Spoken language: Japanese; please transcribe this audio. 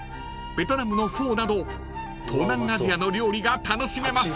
ベトナムのフォーなど東南アジアの料理が楽しめます］